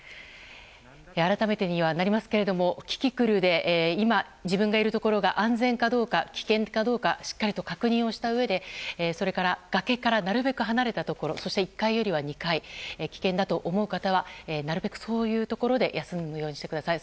改めてにはなりますがキキクルで今自分がいるところが安全かどうか危険かどうかしっかりと確認をしたうえでそれから崖からなるべく離れたところそして１階よりは２階危険だと思う方はなるべくそういうところで休むようにしてください。